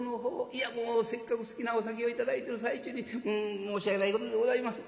いやもうせっかく好きなお酒を頂いてる最中に申し訳ないことでございます」。